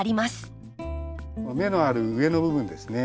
芽のある上の部分ですね